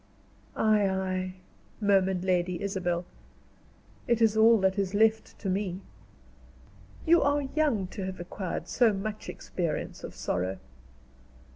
"Ay! Ay!" murmured Lady Isabel. "It is all that is left to me." "You are young to have acquired so much experience of sorrow."